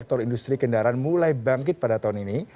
sektor industri kendaraan mulai bangkit pada tahun ini